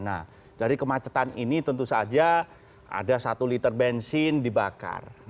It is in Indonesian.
nah dari kemacetan ini tentu saja ada satu liter bensin dibakar